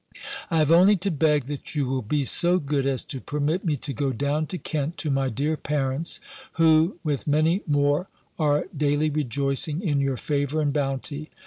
"I have only to beg, that you will be so good as to permit me to go down to Kent, to my dear parents, who, with many more, are daily rejoicing in your favour and bounty.